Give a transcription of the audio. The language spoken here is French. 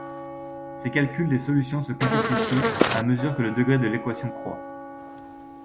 Ces calculs des solutions se complexifient à mesure que le degré de l'équation croît.